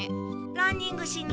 ランニングしに。